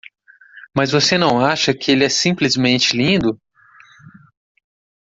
Mas você não acha que ele é simplesmente lindo?